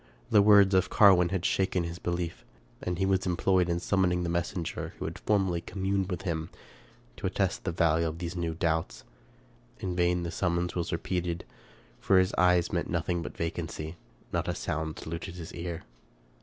The words of Carwin had shaken his belief, and he was employed in summoning the messenger who had formerly communed with him, to attest the value of those new doubts. In vain the summons was repeated, for his eye met nothing but vacancy, and not a sound saluted his ear.